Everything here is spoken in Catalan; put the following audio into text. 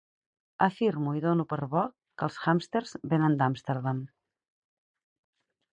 Afirme i done per bo que els hàmster venen d'Amsterdam.